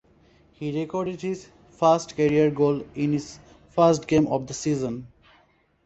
He recorded his first career goal in his first game of the season.